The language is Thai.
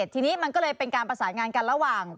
ทีนี้มันก็เลยเป็นการประสานงานกันระหว่าง